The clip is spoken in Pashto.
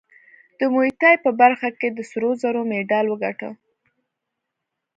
د موی تای په برخه کې د سرو زرو مډال وګاټه